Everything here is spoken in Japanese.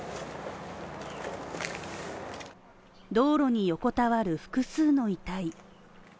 道路に横たわる複数の遺体。